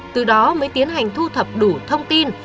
từ đó mới tiến hành thu thập đủ thông tin